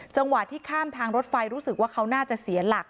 จังหวะที่ข้ามทางรถไฟรู้สึกว่าเขาน่าจะเสียหลัก